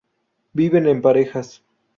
Viven en parejas.